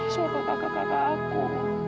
suara kakak kakak aku